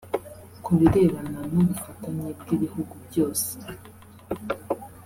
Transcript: Ku birebana n’ ubufatanye bw’ibihugu byose